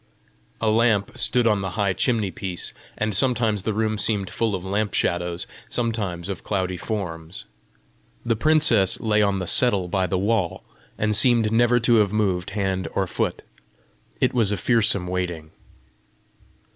A lamp stood on the high chimney piece, and sometimes the room seemed full of lamp shadows, sometimes of cloudy forms. The princess lay on the settle by the wall, and seemed never to have moved hand or foot. It was a fearsome waiting.